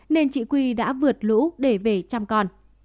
nên chị quy đã vượt lũ để về chăm con